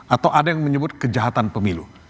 atau ada yang menyebut kejahatan pemilu